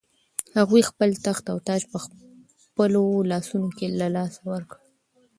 هغوی خپل تخت او تاج په خپلو لاسونو له لاسه ورکړ.